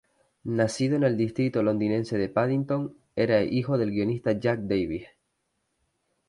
Nacido en el distrito londinense de Paddington, era hijo del guionista Jack Davies.